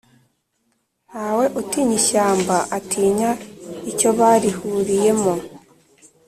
Ntawe utinya ishyamba ,atinya icyo barihuriyemo